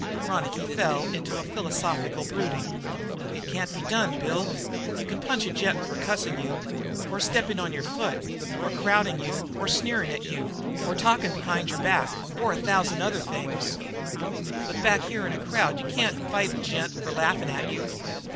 But Ronicky fell into a philosophical brooding. "It can't be done, Bill. You can punch a gent for cussing you, or stepping on your foot, or crowding you, or sneering at you, or talking behind your back, or for a thousand things. But back here in a crowd you can't fight a gent for laughing at you.